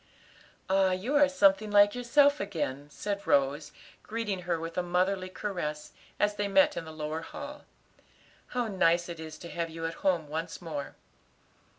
"Ah, you are something like yourself again," said Rose, greeting her with a motherly caress, as they met in the lower hall. "How nice it is to have you at home once more."